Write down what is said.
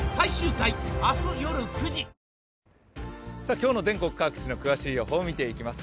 今日の全国各地の詳しい予報を見ていきます。